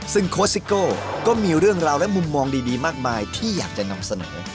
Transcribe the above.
ซึ่งโค้ชซิโก้ก็มีเรื่องราวและมุมมองดีมากมายที่อยากจะนำเสนอ